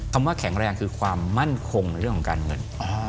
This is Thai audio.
คำว่าแข็งแรงคือความมั่นคงในเรื่องของการเงิน